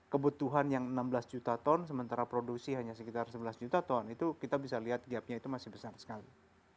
kebutuhan yang enam belas juta ton sementara produksi hanya sekitar sebelas juta ton itu kita bisa lihat gapnya itu masih besar sekali